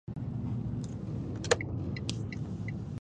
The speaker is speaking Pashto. میکا وویل ورور یې زړه نا زړه و.